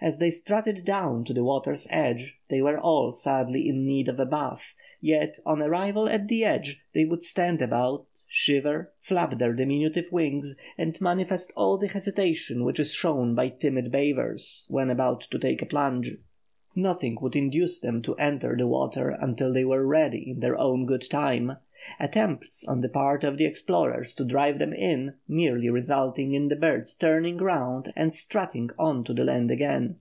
As they strutted down to the water's edge they were all sadly in need of a bath, yet, on arrival at the edge, they would stand about, shiver, flap their diminutive wings, and manifest all the hesitation which is shown by timid bathers when about to take a plunge. Nothing would induce them to enter the water until they were ready in their own good time, attempts, on the part of the explorers, to drive them in, merely resulting in the birds turning round and strutting on to the land again.